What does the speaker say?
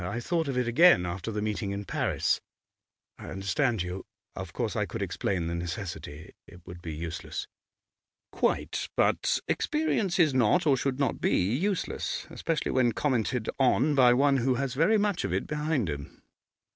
I thought of it again after the meeting in Paris.' 'I understand you. Of course I could explain the necessity. It would be useless.' 'Quite. But experience is not, or should not be, useless, especially when commented on by one who has very much of it behind him.